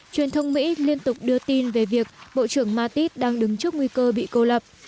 truyền thông mỹ liên tục đưa tin về việc bộ trưởng mattis đang đứng trước nguy cơ bị cô lập